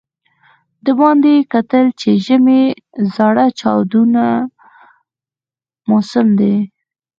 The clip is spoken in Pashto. د باندې یې کتل چې ژمی زاره چاودون موسم دی.